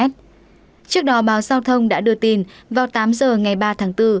trước đó báo giao thông đã đưa tin vào tám giờ ngày ba tháng bốn